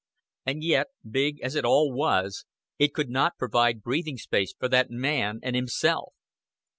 And yet, big as it all was, it could not provide breathing space for that man and himself.